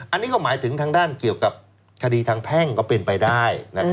อันนี้ก็หมายถึงทางด้านเกี่ยวกับคดีทางแพ่งก็เป็นไปได้